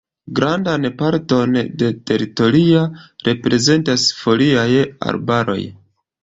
Grandan parton de teritoria reprezentas foliaj arbaroj.